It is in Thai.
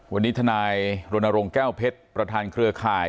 วันนี้ทนายรณรงค์แก้วเพชรประธานเครือข่าย